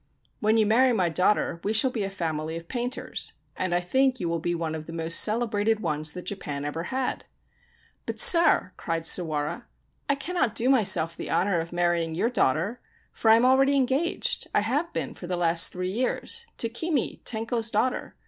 * When you marry my daughter, we shall be a family of painters, and I think you will be one of the most celebrated ones that Japan ever had.' * But, sir,' cried Sawara, ' I cannot do myself the honour of marrying your daughter, for I am already engaged — I have been for the last three years — to Kimi, Tenko's daughter.